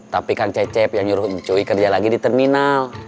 tapi kang cecep yang nyuruh coy kerja lagi di terminal